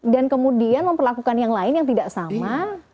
dan kemudian memperlakukan yang lain yang tidak sama